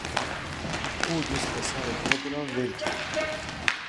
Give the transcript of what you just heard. او دوست پسر خود را ول کرد.